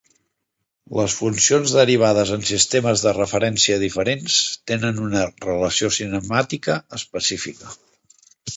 Les funcions derivades en sistemes de referència diferents tenen una relació cinemàtica específica.